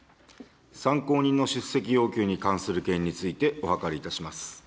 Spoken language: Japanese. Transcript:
参考人の出席要求に関する件についてお諮りいたします。